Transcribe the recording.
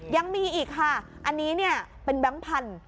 ยังมีอีกค่ะอันนี้เป็นแบงก์พันธุ์